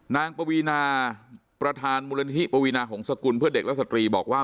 ปวีนาประธานมูลนิธิปวีนาหงษกุลเพื่อเด็กและสตรีบอกว่า